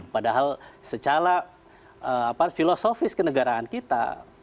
padahal secara filosofis kenegaraan kita